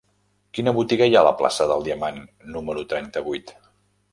Quina botiga hi ha a la plaça del Diamant número trenta-vuit?